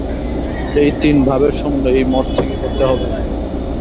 এই তিন ভাবের সমন্বয় এই মঠ থেকে করতে হবে।